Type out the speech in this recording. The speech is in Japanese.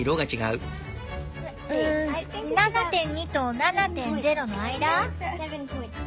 うん７．２と７．０の間？